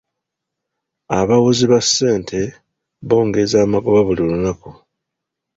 Abawozi ba ssente bongeza amagoba buli lunaku.